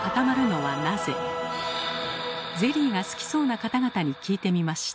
ゼリーが好きそうな方々に聞いてみました。